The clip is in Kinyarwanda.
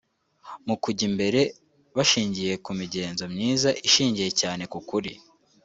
mu kujya imbere bashingiye ku migenzo myiza ishingiye cyane ku kuri